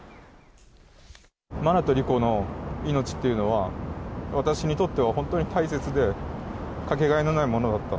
真菜と莉子の命っていうのは、私にとっては本当に大切で、掛けがえのないものだった。